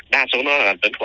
đa số nó là lành tính